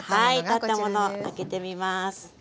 たったもの開けてみます。